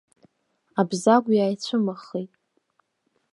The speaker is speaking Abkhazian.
Абзагә иааицәымыӷхеит.